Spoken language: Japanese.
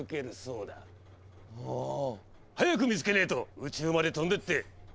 あぁ！早く見つけねえと宇宙まで飛んでって。